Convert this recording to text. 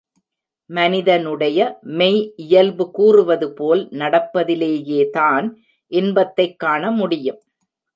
மனிதனுடைய மெய் இயல்பு கூறுவதுபோல் நடப்பதிலேயேதான் இன்பத்தைக் காண முடியும்.